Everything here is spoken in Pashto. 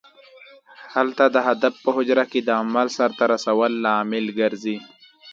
هلته د هدف په حجره کې د عمل سرته رسولو لامل ګرځي.